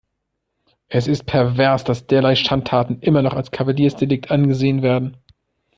Es ist pervers, dass derlei Schandtaten immer noch als Kavaliersdelikt angesehen werden.